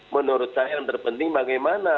menurut saya yang terpenting bagaimana